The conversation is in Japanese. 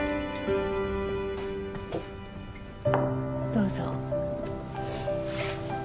どうぞ。